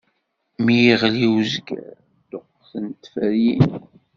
Mi iɣli uzger, ṭṭuqqtent tferyin.